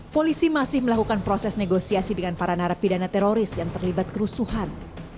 polisi masih melakukan proses negosiasi dengan para narapidana teroris yang terlibat kerusuhan